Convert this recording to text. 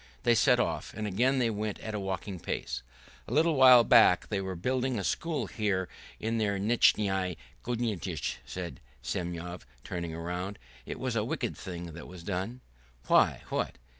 They set off. And again they went at a walking pace. "A little while back they were building a school here in their Nizhneye Gorodistche," said Semyon, turning round. "It was a wicked thing that was done!" "Why, what?"